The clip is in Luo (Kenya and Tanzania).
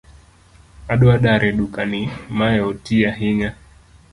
Adwa dar e duka ni , Mae otii ahinya